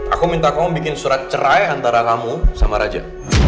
aku minta kamu bikin surat cerai antara kamu sama raja